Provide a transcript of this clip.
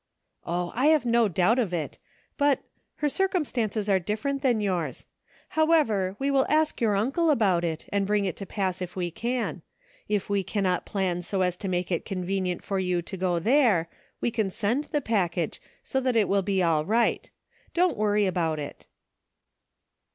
" Oh ! I have no doubt of it ; but — her cir cumstances are different from yours. However, we will ask your uncle about it, and bring it to pass if we can. If we cannot plan so as to make it convenient for you to go there we can send the package, so that will be all right. Don't worry about it."